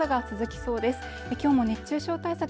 きょうも熱中症対策